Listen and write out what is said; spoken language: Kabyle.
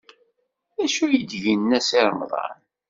D acu ay d-yenna Si Remḍan?